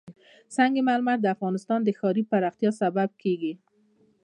سنگ مرمر د افغانستان د ښاري پراختیا سبب کېږي.